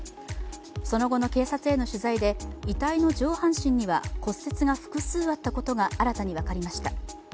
その後の警察への取材で遺体の上半身には骨折が複数あったことが分かりました。